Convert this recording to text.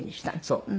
そう。